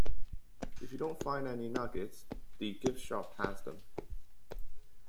If you don't find any nuggets, the gift shop has them.